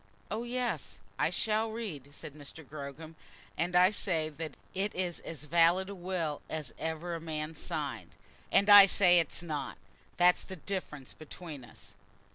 "Oh, yes, I shall read," said Mr. Gogram; "and I say that it is as valid a will as ever a man signed." "And I say it's not. That's the difference between us."